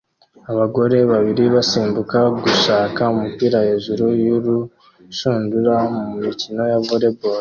Abagore babiri basimbuka gushaka umupira hejuru y'urushundura mumikino ya volley ball